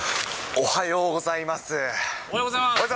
おはようございます。